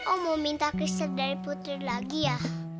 om mau minta kristal dari putri lagi ya